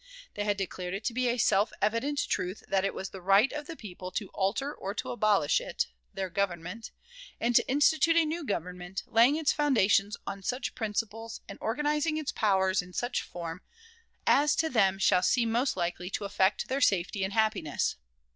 They had declared it to be a self evident truth that it was "the right of the people to alter or to abolish it [their government], and to institute a new government, laying its foundation on such principles, and organizing its powers in such form, as to them shall seem most likely to effect their safety and happiness."